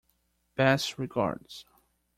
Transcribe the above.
Best regards.